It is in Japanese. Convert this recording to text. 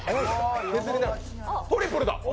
トリプルだ！